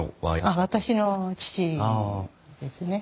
あっ私の父ですね。